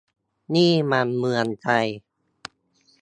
นี่มันเมืองไทย !